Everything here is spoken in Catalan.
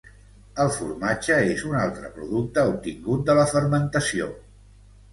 El formatge és un altre producte obtingut de la fermentació.